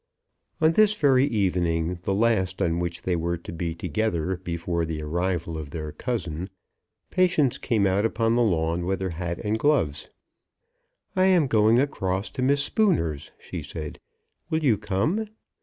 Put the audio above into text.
On this very evening, the last on which they were to be together before the arrival of their cousin, Patience came out upon the lawn with her hat and gloves. "I am going across to Miss Spooner's," she said; "will you come?"